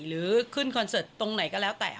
หรือขึ้นคอนเสิร์ตตรงไหนก็แล้วแต่